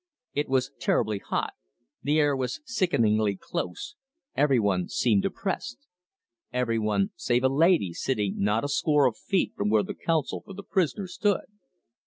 It was terribly hot, the air was sickeningly close, every one seemed oppressed every one save a lady sitting not a score of feet from where the counsel for the prisoner stood.